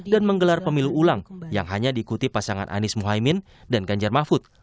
dan menggelar pemilu ulang yang hanya diikuti pasangan anies muhaymin dan ganjar mahfud